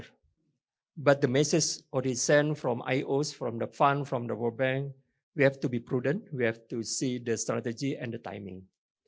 tapi pesan yang telah dihantar dari ios dari fund dari world bank kita harus berhati hati kita harus melihat strategi dan timing